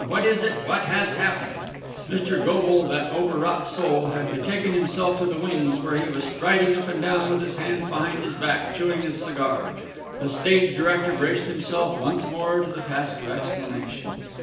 What is it? What has happened?" Mr. Goble, that overwrought soul, had betaken himself to the wings where he was striding up and down with his hands behind his back, chewing his cigar. The stage director braced himself once more to the task of explanation.